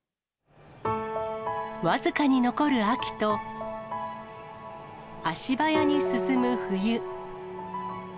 僅かに残る秋と、足早に進む冬。